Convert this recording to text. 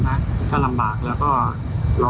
เราก็ทำเรื่อยมาก